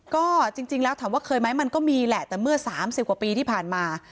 ก็จริงแล้วถามว่าเคยไหมมันก็มีแหละแต่เมื่อ๓๐กว่าปีที่ผ่านมา